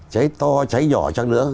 cháy to cháy nhỏ chăng nữa